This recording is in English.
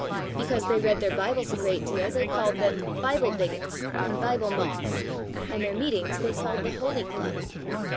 Because they read their Bibles a great deal they called them "Bible Bigots," and "Bible Moths," and their meetings they called the "Holy Club."